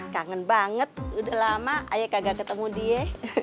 kangen banget udah lama ayah kagak ketemu dia